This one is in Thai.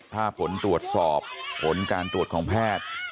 ถ้าผลตรวจสอบผลการตรวจของแพทย์